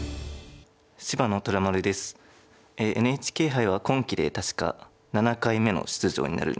ＮＨＫ杯は今期で確か７回目の出場になるんですけど。